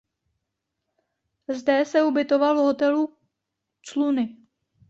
Zde se ubytoval v hotelu Cluny.